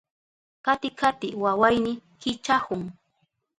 Kati kati wawayni kichahun.